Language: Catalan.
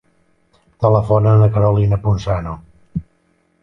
Telefona a la Carolina Punzano.